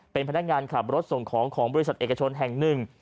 เป็นพนักงานขับรถส่งของของบริษัทเอกชนแห่งหนึ่ง